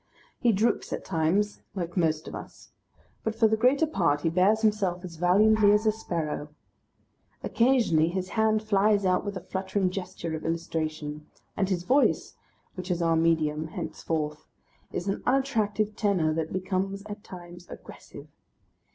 He droops at times like most of us, but for the greater part he bears himself as valiantly as a sparrow. Occasionally his hand flies out with a fluttering gesture of illustration. And his Voice (which is our medium henceforth) is an unattractive tenor that becomes at times aggressive.